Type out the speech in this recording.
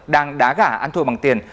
đang đá gà ăn thua bằng tiền